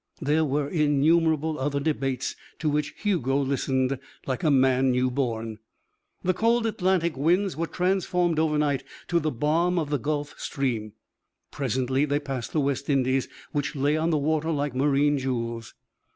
There were innumerable other debates to which Hugo listened like a man new born. The cold Atlantic winds were transformed overnight to the balm of the Gulf stream. Presently they passed the West Indies, which lay on the water like marine jewels.